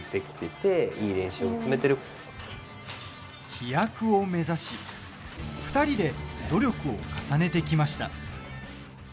飛躍を目指し２人で努力を重ねてきました。